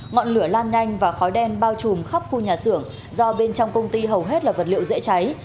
ngọn lửa lan nhanh và khói đen bao trùm khắp khu nhà xưởng do bên trong công ty hầu hết là vật liệu dễ cháy